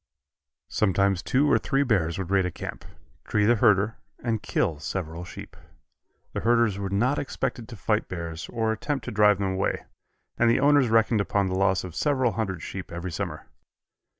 Sometimes two or three bears would raid a camp, tree the herder and kill several sheep. The herders were not expected to fight bears or attempt to drive them away, and the owners reckoned upon the loss of several hundred sheep every summer.